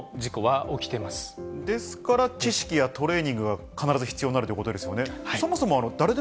ですから、知識やトレーニングが必ず必要になるということですよね。